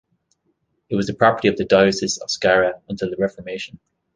It was the property of the Diocese of Skara until the Reformation.